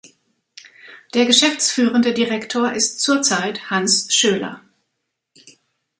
Der geschäftsführende Direktor ist zurzeit Hans Schöler.